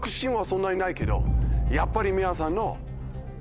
やっぱり皆さんの。